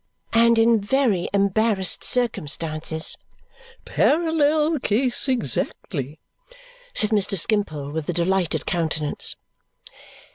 "And in very embarrassed circumstances." "Parallel case, exactly!" said Mr. Skimpole with a delighted countenance.